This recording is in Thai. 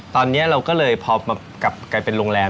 ตอนนี้เราก็เลยพอกลับกลายเป็นโรงแรม